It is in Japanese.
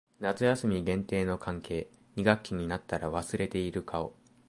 夏休み限定の関係。二学期になったら忘れている顔。